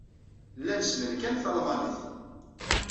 Llan ssnen kan talmanit.